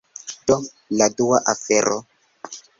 Do, la dua afero